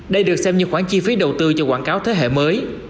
đây được xem như khoản chi phí đầu tư cho quảng cáo thế hệ mới